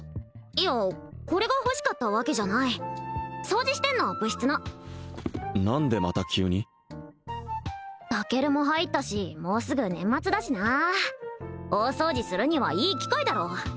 いやこれが欲しかったわけじゃない掃除してんの部室の何でまた急にタケルも入ったしもうすぐ年末だしな大掃除するにはいい機会だろ